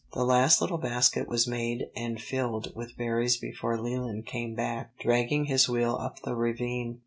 The last little basket was made and filled with berries before Leland came back, dragging his wheel up the ravine.